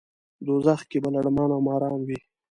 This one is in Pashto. دوزخ کې به لړمان او ماران وي.